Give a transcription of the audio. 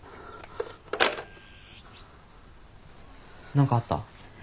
何かあった？え？